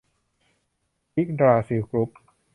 อิ๊กดราซิล กรุ๊ป